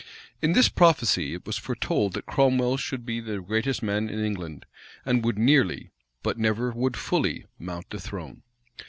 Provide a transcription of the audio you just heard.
In this prophecy, it was foretold that Cromwell should be the greatest man in England, and would nearly, but never would fully, mount the throne.